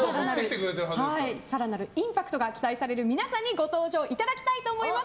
更なるインパクトが期待される皆さんにご登場いただきたいと思います。